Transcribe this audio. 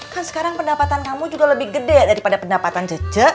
kan sekarang pendapatan kamu juga lebih gede daripada pendapatan jejak